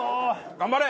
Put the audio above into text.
頑張れ！